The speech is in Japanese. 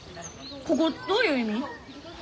ここどういう意味？